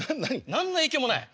何の影響もない。